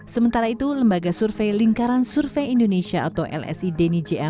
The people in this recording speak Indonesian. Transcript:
sementara itu lembaga survei lingkaran survei indonesia atau lsi deni ja